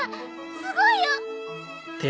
すごいよ！